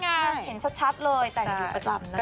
เห็นชัดเลยแต่งอยู่ประจำนะคะ